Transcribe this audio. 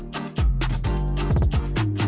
สวัสดีครับ